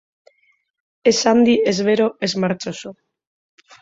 Ez handi, ez bero, ez martxoso.